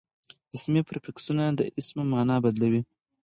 اسمي پریفکسونه د اسمو مانا بدلوي.